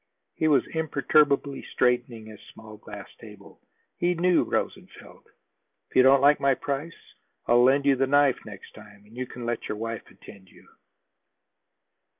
He was imperturbably straightening his small glass table. He knew Rosenfeld. "If you don't like my price, I'll lend you the knife the next time, and you can let your wife attend to you."